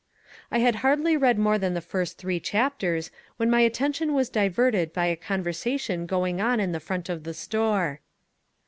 I had hardly read more than the first three chapters when my attention was diverted by a conversation going on in the front of the store.